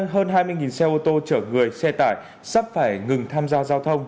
hơn hai mươi xe ô tô chở người xe tải sắp phải ngừng tham gia giao thông